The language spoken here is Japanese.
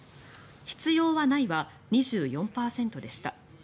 必要はないは２４％でした。